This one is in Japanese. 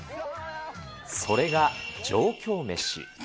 それが上京メシ。